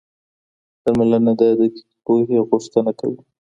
درملنه د دقیقې پوهي غوښتنه کوي.